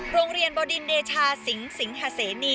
โรงเรียนบดินเดชาสิงสิงหาเสนี